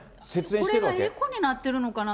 これはエコになってるのかな？